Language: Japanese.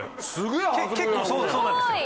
結構そうなんですよ。